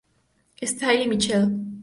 Style y Michelle.